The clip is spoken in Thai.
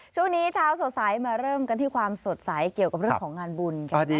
ช่วงนี้เช้าสดใสมาเริ่มกันที่ความสดใสเกี่ยวกับเรื่องของงานบุญกันดี